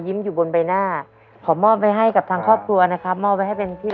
คุณผู้ชมครับไม่ว่าจะยากดีมีจนพ่อแม่ทุกคนก็จะขอดูแลลูกให้ดีที่สุด